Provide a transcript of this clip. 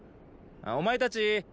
お前たち。